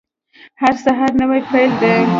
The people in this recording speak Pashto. هر سهار نوی پیل دی